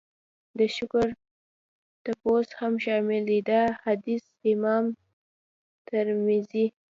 د شکر تپوس هم شامل دی. دا حديث امام ترمذي